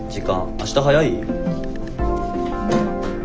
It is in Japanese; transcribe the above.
明日早い？